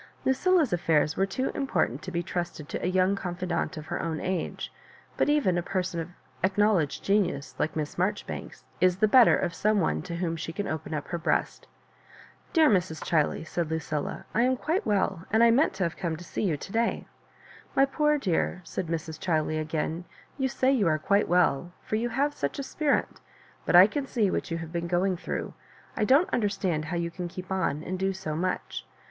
Lucilla's affairs were too important to be trusted to a young confidante of her own age; but. even a person of acknowledged genius like Miss Marjoribanks is the better of some one to whom she can open up her breast. " Dear Mrs. Chiley !" said Lucilla^ ^ 1 am quite well, and I meant to have come to ace vou to day." " My poor dear I " said Mrs. Chiley again. " Yon say you are quite well, for you have such a spirit; but I can see what you have been going through. I don't understand how you can keep on, and do so much.